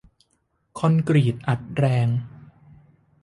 คอนกรีตอัดแรง